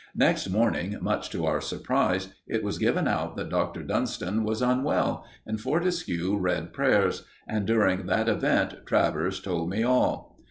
Next morning, much to our surprise, it was given out that Dr. Dunston was unwell, and Fortescue read prayers; and during that event Travers told me all.